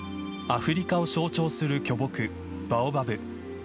アフリカを象徴する巨木バオバブ。